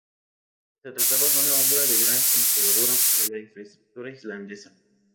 Se trataba de una obra de gran envergadura para la infraestructura islandesa.